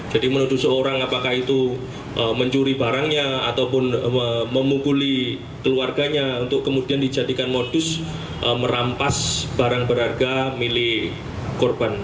jadi menuduh seorang apakah itu mencuri barangnya ataupun memukuli keluarganya untuk kemudian dijadikan modus merampas barang berharga milik korban